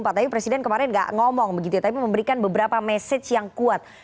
tapi presiden kemarin tidak ngomong begitu tapi memberikan beberapa mesej yang kuat